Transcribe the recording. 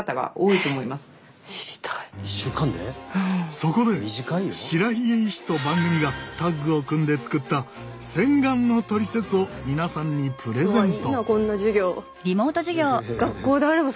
そこで白髭医師と番組がタッグを組んで作った洗顔のトリセツを皆さんにプレゼント！